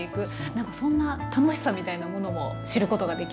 なんかそんな楽しさみたいなものも知ることができました。